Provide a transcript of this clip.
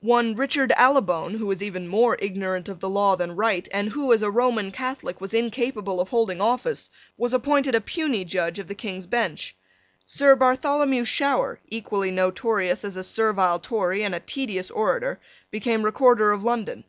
One Richard Allibone, who was even more ignorant of the law than Wright, and who, as a Roman Catholic, was incapable of holding office, was appointed a puisne judge of the King's Bench. Sir Bartholomew Shower, equally notorious as a servile Tory and a tedious orator, became Recorder of London.